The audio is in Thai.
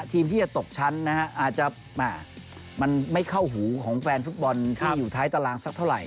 ทีมที่จะตกชั้นนะฮะอาจจะมันไม่เข้าหูกับแฟนฟุตบอลขาบอยู่ท้ายตารางฯ